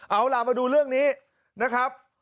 เอาล่ะมาดูเรื่องนี้นะครับ